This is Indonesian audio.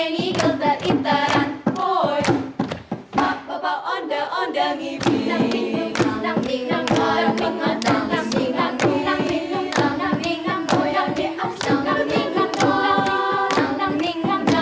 good morning semuanya